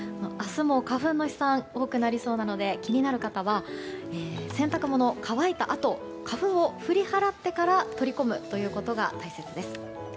明日も花粉の飛散が多くなりそうなので気になる方は洗濯物が乾いたあと花粉を振り払ってから取り込むということが大切です。